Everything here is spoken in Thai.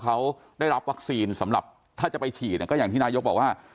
เขาได้รับวัคซีนสำหรับถ้าจะไปฉีดก็อย่างที่นายกบอกว่า